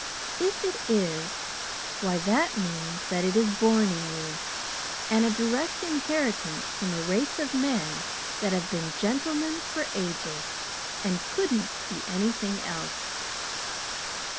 If it is, why, that means that it is born in you, and a direct inheritance from a race of men that have been gentlemen for ages, and couldn't be anything else.